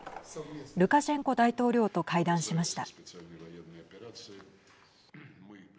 ルカシェンコ大統領と会談しました。